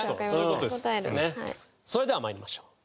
それでは参りましょう。